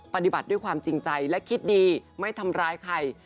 ปฏิบัติด้วยความจริงใจและคิดดีไม่ทำร้ายใคร